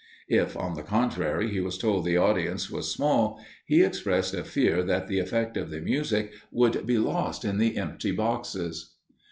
if, on the contrary, he was told the audience was small, he expressed a fear that the effect of the music would be lost in the empty boxes.